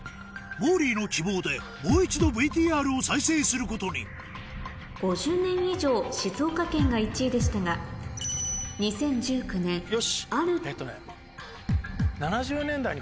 モーリーの希望でもう一度ＶＴＲを再生することに５０年以上静岡県が１位でしたが２０１９年ある。